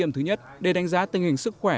chúng tôi đã chuẩn bị như thế